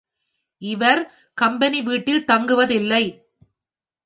இவர் கம்பெனி வீட்டில் தங்குவதில்லை.